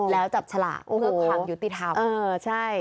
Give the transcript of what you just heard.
แล้วจับฉลากเพื่อความยุติธรรม